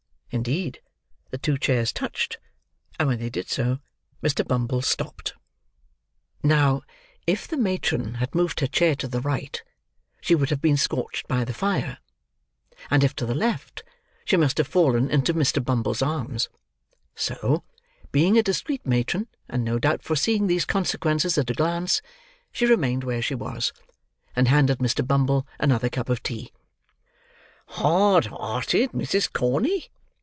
Indeed, the two chairs touched; and when they did so, Mr. Bumble stopped. Now, if the matron had moved her chair to the right, she would have been scorched by the fire; and if to the left, she must have fallen into Mr. Bumble's arms; so (being a discreet matron, and no doubt foreseeing these consequences at a glance) she remained where she was, and handed Mr. Bumble another cup of tea. "Hard hearted, Mrs. Corney?"